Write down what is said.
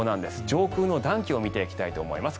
上空の暖気を見ていきたいと思います。